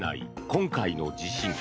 今回の地震。